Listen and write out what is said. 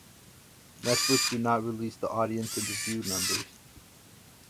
Netflix do not release the audience and review numbers.